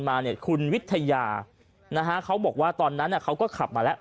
มาเนี่ยคุณวิทยานะฮะเขาบอกว่าตอนนั้นเขาก็ขับมาแล้ว